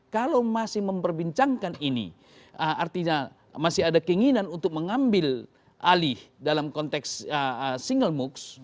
kalau masih memperbincangkan ini artinya masih ada keinginan untuk mengambil alih dalam konteks single moocs